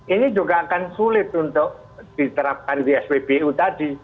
ini juga akan sulit untuk diterapkan di spbu tadi